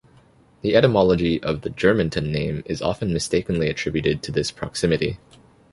The etymology of the "Germanton" name is often mistakenly attributed to this proximity.